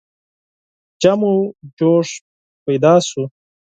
جم و جوش پیدا شو.